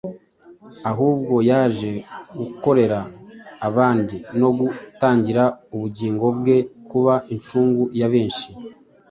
ahubwo yaje gukorera abandi no gutangira ubugingo bwe kuba incungu ya benshi.”